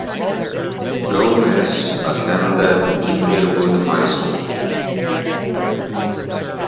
Gomez attended Inglewood High School.